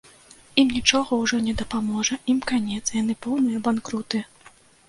Ім нічога ўжо не дапаможа, ім канец, яны поўныя банкруты!